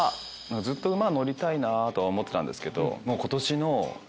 ずっと馬に乗りたいなとは思ってたんですけど。